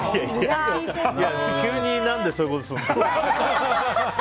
急に何でそういうことするの？